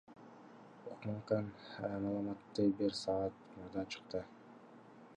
УКМКнын маалыматы бир саат мурда чыкты.